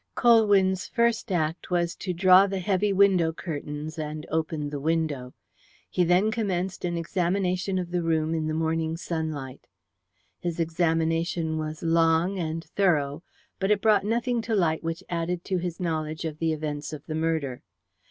Colwyn's first act was to draw the heavy window curtains and open the window. He then commenced an examination of the room in the morning sunlight. His examination was long and thorough, but it brought nothing to light which added to his knowledge of the events of the murder.